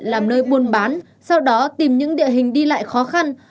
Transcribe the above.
làm nơi buôn bán sau đó tìm những địa hình đi lại khó khăn